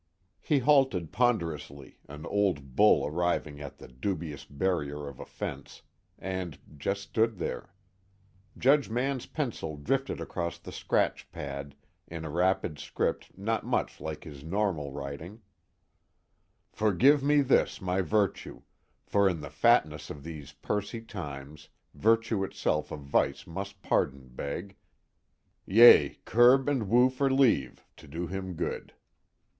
He halted ponderously, an old bull arriving at the dubious barrier of a fence, and just stood there. Judge Mann's pencil drifted across the scratch pad in a rapid script not much like his normal writing: Forgive me this my virtue; For in the fatness of these pursy times Virtue itself of vice must pardon beg, Yea, curb and woo for leave to do him good.